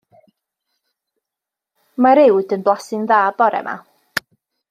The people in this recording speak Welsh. Mae'r uwd yn blasu'n dda bore 'ma.